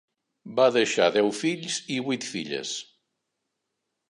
Va deixar deu fills i vuit filles.